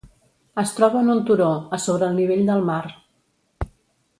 Es troba en un turó, a sobre el nivell del mar.